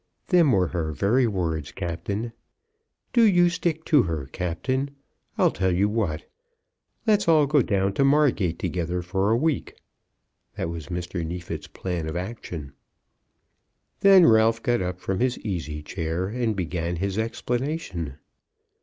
Them were her very words, Captain. Do you stick to her, Captain. I'll tell you what. Let's all go down to Margate together for a week." That was Mr. Neefit's plan of action. Then Ralph got up from his easy chair and began his explanation.